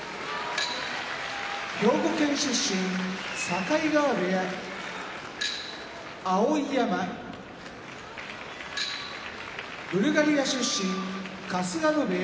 兵庫県出身境川部屋碧山ブルガリア出身春日野部屋